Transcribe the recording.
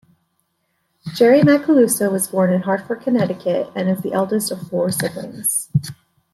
Jerry Macaluso was born in Hartford, Connecticut and is the eldest of four siblings.